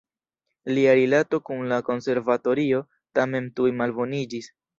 Lia rilato kun la konservatorio tamen tuj malboniĝis.